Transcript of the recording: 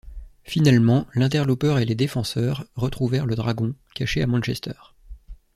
Finalement, l'Interloper et les Défenseurs retrouvèrent le Dragon, caché à Manchester.